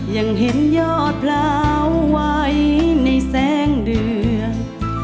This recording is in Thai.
ยังเห็นยอดเพลาไหวในแสงเดือน